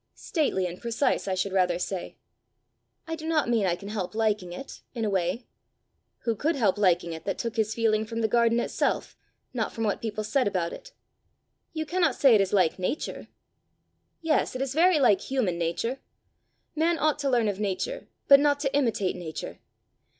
"Stately and precise, I should rather say." "I do not mean I can help liking it in a way." "Who could help liking it that took his feeling from the garden itself, not from what people said about it!" "You cannot say it is like nature!" "Yes; it is very like human nature. Man ought to learn of nature, but not to imitate nature.